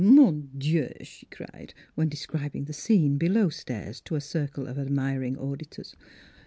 " Mon dieu !" slie cried, when describ ing the scene below stairs to a circle of admiring auditors.